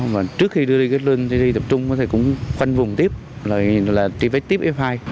và trước khi đưa đi cách ly tập trung thì cũng khoanh vùng tiếp là truy vết tiếp f hai